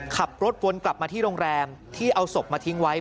ขับรถวนกลับมาที่โรงแรมที่เอาศพมาทิ้งไว้